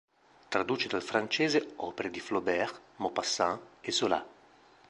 Traduce dal francese opere di Flaubert, Maupassant e Zola.